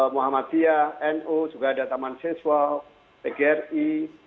muhammadiyah nu juga ada taman seseual tgri